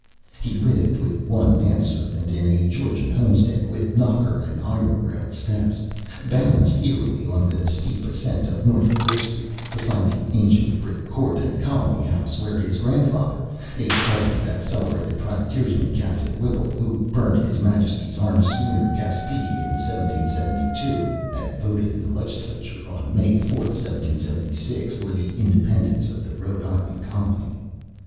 He lived with one man servant in a Georgian homestead with knocker and iron railed steps, balanced eerily on the steep ascent of North Court Street beside the ancient brick court and colony house where his grandfather a cousin of that celebrated privateersman, Captain Whipple, who burnt His Majesty's armed schooner Gaspee in 1772 had voted in the legislature on May 4, 1776, for the independence of the Rhode Island Colony.